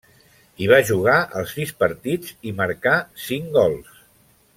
Hi va jugar els sis partits, i marcà cinc gols.